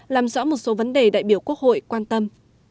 làm rõ một số vấn đề đại biểu quốc hội quan tâm